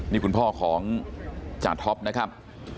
นี่คุณพ่อของจาท็อปนะครับ